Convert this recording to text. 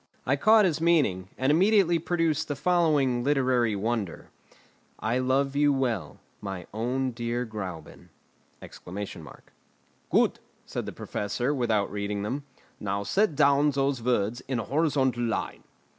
I caught his meaning, and immediately produced the following literary wonder: I y l o a u l o l w r b o u , n G e v w m d r n e e y e a ! "Good," said the professor, without reading them, "now set down those words in a horizontal line."